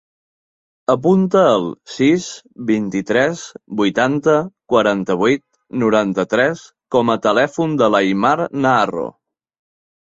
Apunta el sis, vint-i-tres, vuitanta, quaranta-vuit, noranta-tres com a telèfon de l'Aimar Naharro.